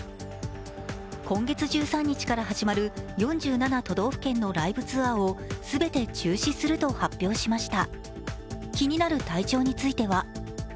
今月１３日から始まる４７都道府県のライブツアーを全て中止すると発表しました。